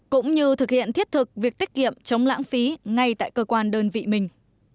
cũng như thực hiện thiết thực việc tiết kiệm chống lãng phí ngay tại cơ quan đơn vị mình